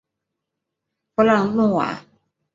弗朗努瓦。